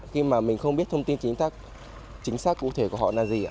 khi mà mình không biết thông tin chính xác cụ thể của họ là gì ạ